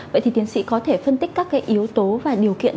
vậy thì tiến sĩ có thể phân tích các cái yếu tố và điều kiện